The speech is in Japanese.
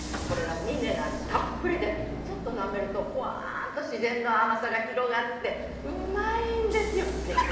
これがミネラルたっぷりでちょっとなめるとフワァーとしぜんの甘さが広がってうまいんですよね